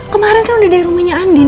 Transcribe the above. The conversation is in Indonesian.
kemarin kan udah dari rumahnya andin